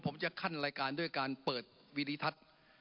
ผมจะขั้นรายการด้วยการเปิดวีดิทัศน์